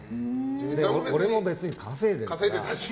俺も別に稼いでるから。